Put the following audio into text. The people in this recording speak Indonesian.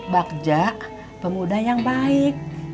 bagja pemuda yang baik